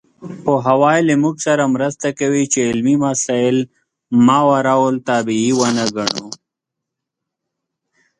پوهاوی له موږ سره مرسته کوي چې علمي مسایل ماورالطبیعي ونه ګڼو.